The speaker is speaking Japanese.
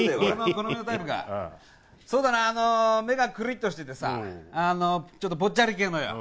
そうだなあのー目がくりっとしててさちょっとぽっちゃり系のよ。